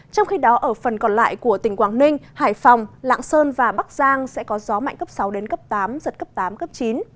trong khi đó ở phần còn lại của tỉnh quảng ninh hải phòng lạng sơn và bắc giang sẽ có gió mạnh cấp sáu đến cấp tám giật cấp tám cấp chín